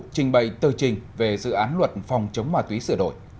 trình bày tờ trình về dự án luật phòng chống ma túy sửa đổi